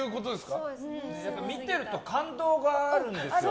見てると感動があるんですよ。